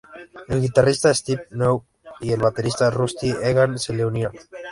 El guitarrista Steve New y el baterista Rusty Egan se le unieron.